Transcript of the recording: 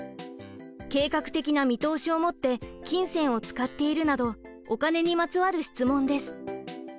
「計画的な見通しを持って金銭を使っている」などお金にまつわる質問です。